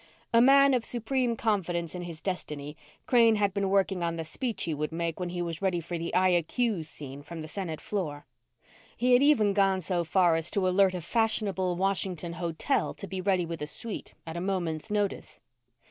A man of supreme confidence in his destiny, Crane had been working on the speech he would make when he was ready for the I accuse scene from the Senate floor. He had even gone so far as to alert a fashionable Washington hotel to be ready with a suite at a moment's notice.